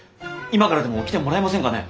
今からでも来てもらえませんかね？